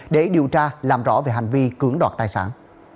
để điều tra làm rõ về hành vi cưỡng đoạt tài sản